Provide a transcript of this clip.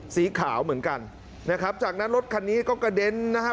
สีขาวเหมือนกันนะครับจากนั้นรถคันนี้ก็กระเด็นนะครับ